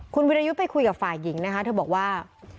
คุณวิรยุทธ์ไปคุยกับฝ่ายหญิงนะคะเธอบอกว่า